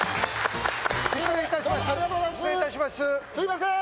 すいません！